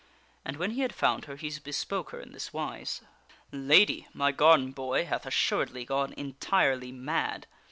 And when he had found her, he bespoke her in this wise :" Lady, my garden boy hath assuredly gone entirely mad.